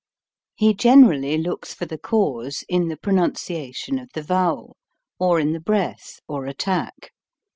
He generally looks for the 278 HOW TO SING cause in the pronunciation of the vowel, or in the breath, or attack.